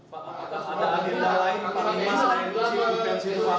pak ada ada hal lain